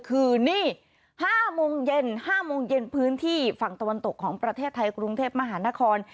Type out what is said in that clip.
คือนี่๕โมงเย็น๕โมงเย็นพื้นที่ฝั่งตะวันตกของประเทศไทยกรุงเทพมหานคร